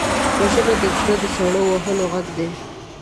وژنه د زړه د سړو وهلو غږ دی